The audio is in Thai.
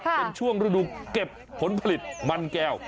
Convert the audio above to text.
เป็นช่วงฤดูเก็บผลผลิตมันแก้ว